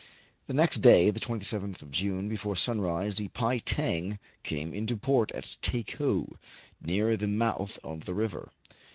The next day, the 27th of June, before sunrise, the " Pei Tang " came into port at Takou, near the mouth of the river.